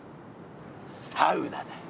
サウナだよ。